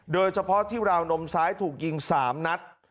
โดยเฉพาะที่ราวนมซ้ายถูกยิง๓นัด